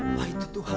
apa itu tuhan